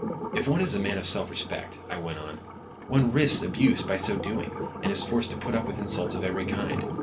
"If one is a man of self respect," I went on, "one risks abuse by so doing, and is forced to put up with insults of every kind.